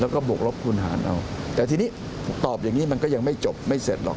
แล้วก็บวกลบคุณหารเอาแต่ทีนี้ตอบอย่างนี้มันก็ยังไม่จบไม่เสร็จหรอก